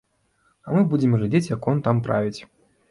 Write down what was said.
А мы будзем глядзець, як ён там правіць.